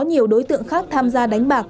nhiều đối tượng khác tham gia đánh bạc